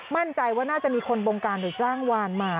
มั่นใจว่าน่าจะมีคนบงการหรือจ้างวานมา